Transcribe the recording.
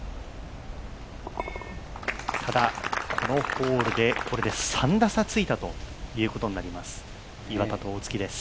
ただ、このホールでこれで３打差ついたということになります岩田と大槻です。